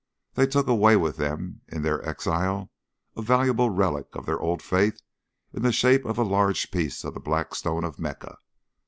They took away with them, in their exile, a valuable relic of their old faith in the shape of a large piece of the black stone of Mecca.